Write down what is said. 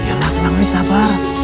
iya lah kenang kenang sabar